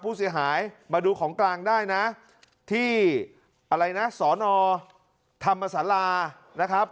ผู้เสียหายมาดูของกลางได้นะที่อะไรนะสอนอธรรมศาลานะครับ